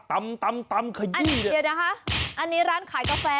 ตำค่ะนี่เดี๋ยวนะฮะอันนี้ร้านขายกาแฟ